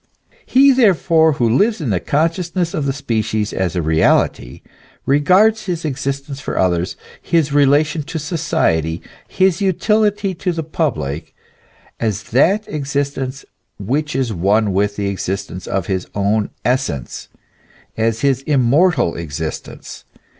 He there fore who lives in the consciousness of the species as a reality, regards his existence for others, his relation to society, his utility to the public, as that existence which is one with the existence of his own essence as his immortal existence.